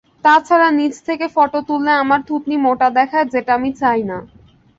তাছাড়া নিচ থেকে ফটো তুললে আমার থুতনি মোটা দেখায়, যেটা আমি চাই না।